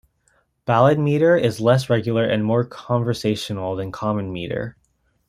Ballad metre is "less regular and more conversational" than common metre.